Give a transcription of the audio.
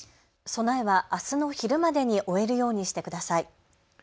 備えはあすの昼までに終えるようにしてください。